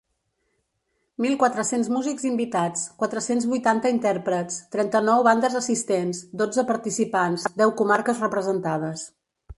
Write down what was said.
Mil quatre-cents músics invitats, quatre-cents vuitanta intèrprets, trenta-nou bandes assistents, dotze participants, deu comarques representades.